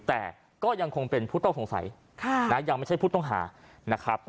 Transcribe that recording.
แต่ก็ยังคงเป็นผู้ต้องสงสัยยังไม่ใช่ผู้ต้องหานะครับ